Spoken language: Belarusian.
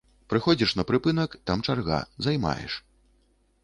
Прыходзіш на прыпынак, там чарга, займаеш.